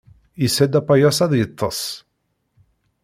Yessa-d apayas ad yeṭṭes.